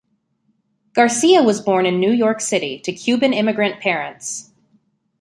Garcia was born in New York City, to Cuban immigrant parents.